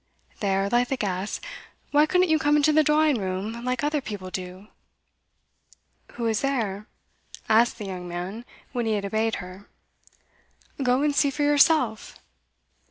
'There, light the gas. Why couldn't you come into the drawing room, like other people do?' 'Who is there?' asked the young man, when he had obeyed her. 'Go and see for yourself.